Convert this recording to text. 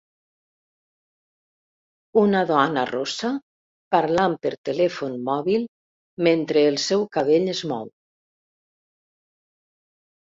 Una dona rossa parlant per telèfon mòbil mentre el seu cabell es mou